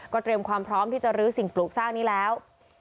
เตรียมความพร้อมที่จะลื้อสิ่งปลูกสร้างนี้แล้ว